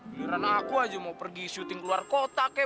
biaran aku aja mau pergi syuting ke luar kota kek